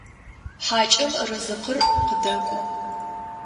Хьакӏэм рызыкъыр къыдэкӏо.